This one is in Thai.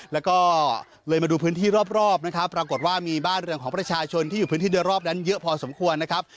แล้วก็เลยมาดูพื้นที่รอบนะครับปรากฏว่ามีบ้านเรืองของประชาชนที่อยู่พื้นที่โดยรอบนั้นเยอะพอสมควรนะครับ